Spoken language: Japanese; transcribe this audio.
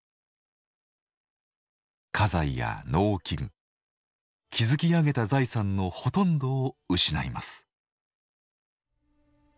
家財や農機具築き上げた財産のほとんどを失います。